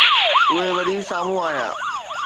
اهي وري سامهون آيا